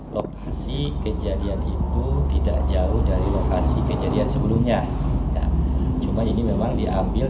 lokasi penampakan harimau sumatera ini tidak jauh dari lokasi penampakan harimau yang sebelumnya